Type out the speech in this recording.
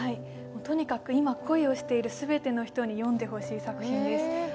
とにかく今、恋をしている全ての人に読んでほしい作品です。